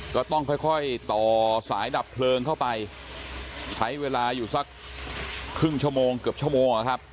ก็ต้องค่อยต่อสายดับเพลิงเข้าไปใช้เวลาอยู่สักครึ่งชั่วโมงเกือบชั่วโมงนะครับ